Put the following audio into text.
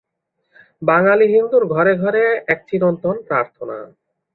বাঙালি হিন্দুর ঘরে ঘরে এক চিরন্তন প্রার্থনা।